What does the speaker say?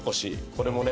これもね